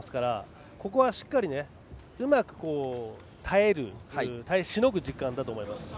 ここはしっかり、うまく耐える耐えしのぐ時間だと思います。